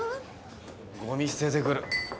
ゴミ捨ててくる。